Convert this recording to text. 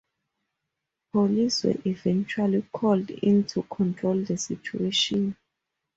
Police were eventually called in to control the situation.